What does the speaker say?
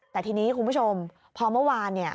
แต่ทีนี้คุณผู้ชมพอเมื่อวาน